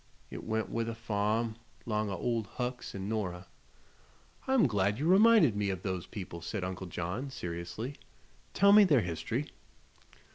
It went with the farm, 'long o' Old Hucks an' Nora." "I'm glad you reminded me of those people," said Uncle John, seriously. "Tell me their history."